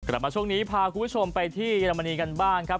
กลับมาช่วงนี้พาคุณผู้ชมไปที่เยอรมนีกันบ้างครับ